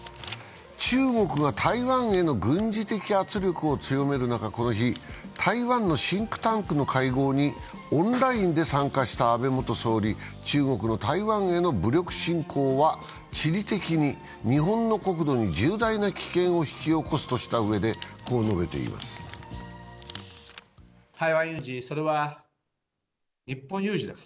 中国が台湾への軍事的圧力を強める中、この日、台湾のシンクタンクの会合にオンラインで参加した安倍元総理、中国の台湾への武力侵攻は地理的に日本の国土に重大な危険を引き起こすとしたうえで、こう述べています。